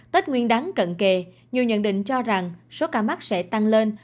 tết nguyên đáng cận kề nhiều nhận định cho rằng số ca mắc sẽ tăng lên